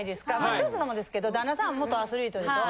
潮田さんもですけど旦那さん元アスリートでしょ？